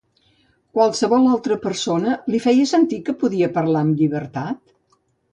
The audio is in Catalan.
Qualsevol altra persona li feia sentir que podia parlar amb llibertat?